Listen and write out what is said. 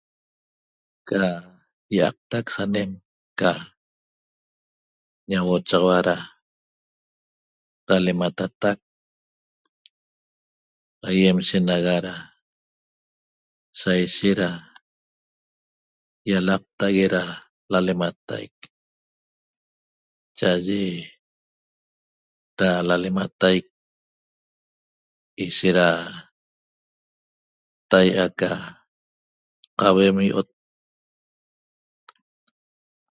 Ca yaqtaq sanem qa ña huo'o chaxaua da lalematataq ayem shenaxara saishera yalactaguera lalemataiq chaaye da lalemataiq ishet da tahia ca cahuem iot